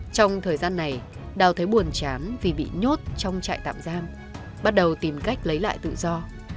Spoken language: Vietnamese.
trong thời gian này đào thấy buồn chán vì bị nhốt trong trại tạm giam bắt đầu tìm cách lấy lại tự do